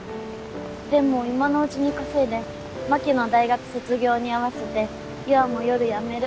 でも今のうちに稼いでまきゅの大学卒業に合わせて優愛も夜やめる。